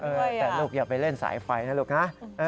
แต่ลูกอย่าไปเล่นสายไฟนะลูกนะ